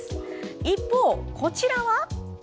一方、こちらは。